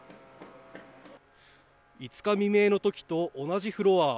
５日未明の時と同じフロア